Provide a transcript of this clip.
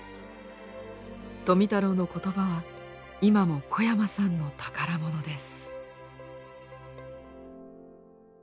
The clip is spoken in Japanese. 富太郎の言葉は今も小山さんの宝物です。